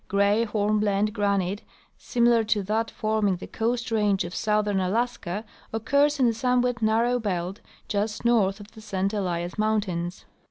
Gray hornblende granite similar to that forming the Coast range of southern Alaska occurs in a somewhat narrow belt just north of the St Elias mountains.